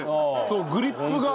そうグリップが。